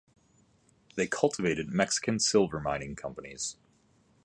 They cultivated Mexican silver mining companies.